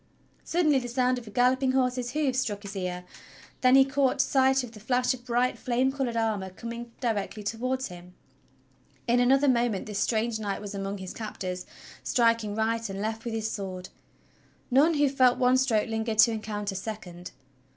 Suddenly the sound of a galloping horse's hoofs struck his ear, then he caught sight of the flash of bright, flame colored armor com ing directly towards him. In another moment this strange knight 128 THE STORY OF KING ARTHUR was among his captors, striking right and left with his sword. None who felt one stroke lingered to encounter a second.